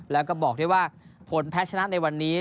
แล้วก็บอกได้ว่าผลแพ้ชนะในวันนี้